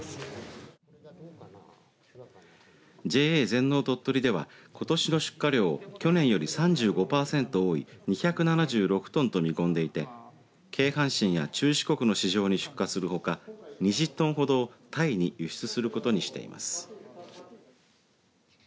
ＪＡ全農とっとりではことしの出荷量を去年より３５パーセント多い２７６トンと見込んでいて京阪神や中四国の市場に出荷するほか２０トンほどをタイに輸出することにしています。